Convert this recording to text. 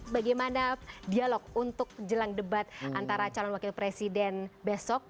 bagaimana dialog untuk jelang debat antara calon wakil presiden besok